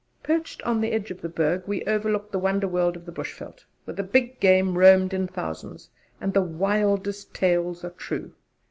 Perched on the edge of the Berg, we overlooked the wonder world of the Bushveld, where the big game roamed in thousands and the "wildest tales were true."